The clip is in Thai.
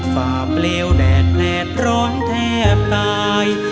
ฝ่าเปลวแดดแดดร้อนแทบตาย